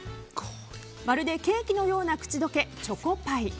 まるでケーキのような口溶けチョコパイ。